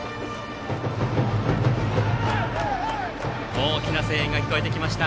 大きな声援が聞こえてきました。